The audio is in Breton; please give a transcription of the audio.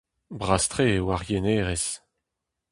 Bras-tre eo ar yenerez.